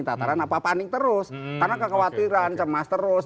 tataran apa panik terus karena kekhawatiran cemas terus